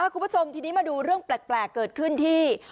คุณผู้ชมทีนี้มาดูเรื่องแปลกเกิดขึ้นที่